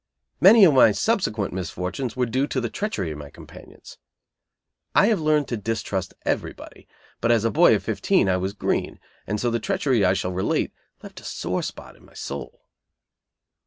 Many of my subsequent misfortunes were due to the treachery of my companions. I have learned to distrust everybody, but as a boy of fifteen I was green, and so the treachery I shall relate left a sore spot in my soul.